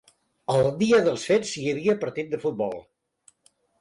El dia dels fets hi havia partit de futbol.